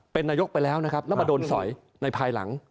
เป็นนายกไปแล้วนะครับแล้วมาโดนสอยในภายหลัง